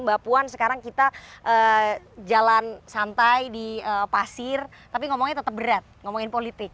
mbak puan sekarang kita jalan santai di pasir tapi ngomongnya tetap berat ngomongin politik